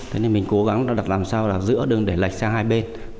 thế nên mình cố gắng đặt làm sao giữa đừng để lạch sang hai bên